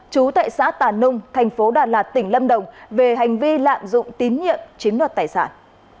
chú tại xã tà nung tp đà lạt tỉnh lâm đồng về hành vi lạm dụng tín nhiệm chiến luật tài sản